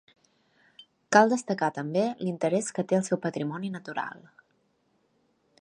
Cal destacar també l'interès que té el seu patrimoni natural.